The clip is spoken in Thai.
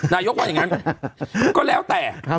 นายกว่าอย่างนั้นก็แล้วแต่